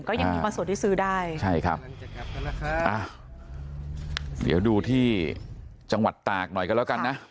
ก็ยังมีบางส่วนที่ซื้อได้ใช่ครับอ่ะเดี๋ยวดูที่จังหวัดตากหน่อยกันแล้วกันนะ